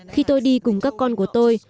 khi tôi đi cùng các con của tôi